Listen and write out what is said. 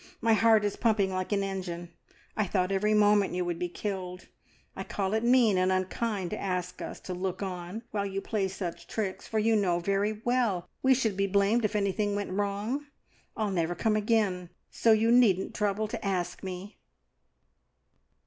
My heart is pumping like an engine. I thought every moment you would be killed. I call it mean and unkind to ask us to look on, while you play such tricks, for you know very well we should be blamed if anything went wrong! I'll never come again, so you needn't trouble to ask me!"